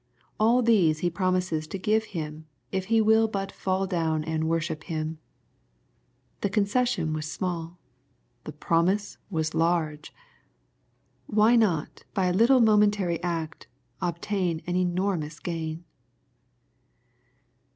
All these he promises to give Him, if He will but " Ml down and worship him." The concession was small. The promise was large. Why not by a little momentary act, obtain an enormous gain